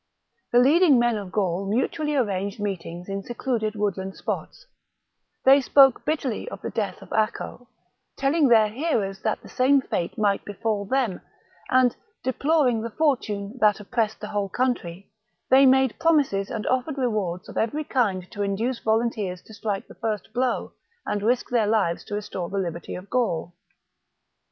The leading men of Gaul mutually arranged meetings in secluded wood land spots. They spoke bitterly of the death of Acco, telling their hearers that the same fate might befall them ; and, deploring the fortune ^ Tola provincia here means Cisalpine Gaul. 205 2o6 THE REBELLION book 52 B.C. that oppressed the whole country, they made promises and offered rewards of every kind to induce volunteers to strike the first blow and risk their lives to restore the liberty of Gaul.